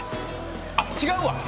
あっ違うわ！